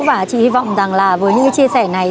và chị hy vọng rằng là với những chia sẻ này